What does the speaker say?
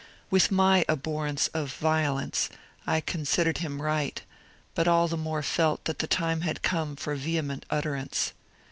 With my abhorrence of violence I considered him right, but all the more felt that the time had come for vehement utterance.